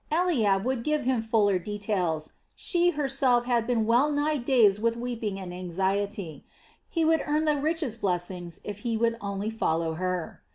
Eliab would give him fuller details; she herself had been well nigh dazed with weeping and anxiety. He would earn the richest blessings if he would only follow her.